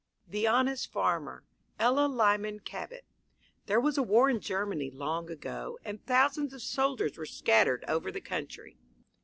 The Honest Farmer ELLA LYMAN CABOT There was a war in Germany long ago and thousands of soldiers were scattered over the country.